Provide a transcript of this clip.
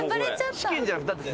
チキンじゃないだって。